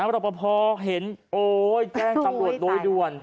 แล้วพอเห็นโอ๊ยแกล้งกำรวจโดยด่วน